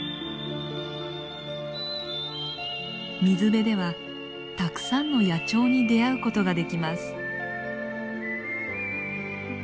水辺ではたくさんの野鳥に出会うことができます。